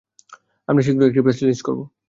আমরা শীঘ্রই একটি প্রেস রিলিজ করব।